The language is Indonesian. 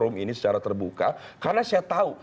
karena saya tahu